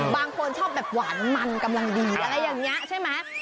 บางคนชอบแบบหวานมันกำลังดีอะไรอย่างนี้ใช่ไหม